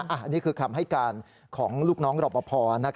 อันนี้คือคำให้การของลูกน้องรอปภ